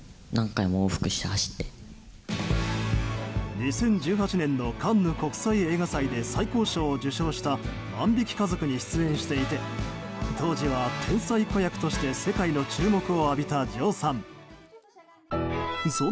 ２０１８年のカンヌ国際映画祭で最高賞を受賞した「万引き家族」に出演していて当時は天才子役として世界の注目を浴びた城さん。